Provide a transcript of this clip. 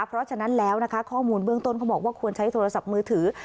เพราะฉะนั้นแล้วนะคะข้อมูลเบื้องต้นเขาบอกว่าควรใช้โทรศัพท์มือถือ